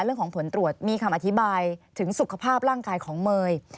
เรื่องของผลตรวจมีคำอธิบายถึงสุขภาพร่างกายของเมย์